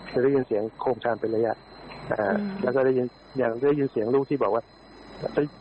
จะได้ยินเสียงโครงคามเป็นระยะอ่าแล้วก็ได้ยินอย่างได้ยินเสียงลูกที่บอกว่าเอ้ย